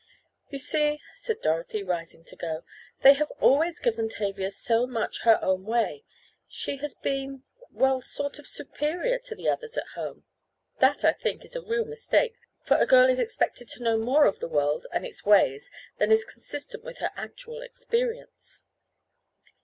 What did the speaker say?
"You see," said Dorothy, rising to go, "they have always given Tavia so much her own way. She has been—well, sort of superior to the others at home. That, I think, is a real mistake, for a girl is expected to know more of the world and its ways than is consistent with her actual experience."